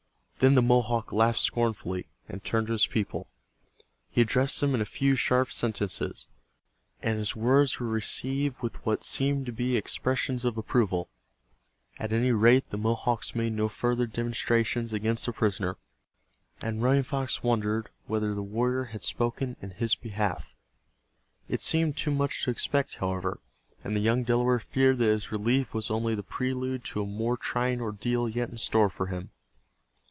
Then the Mohawk laughed scornfully, and turned to his people. He addressed them in a few sharp sentences, and his words were received with what seemed to be expressions of approval. At any rate the Mohawks made no further demonstrations against the prisoner, and Running Fox wondered whether the warrior had spoken in his behalf. It seemed too much to expect, however, and the young Delaware feared that his relief was only the prelude to a more trying ordeal yet in store for him.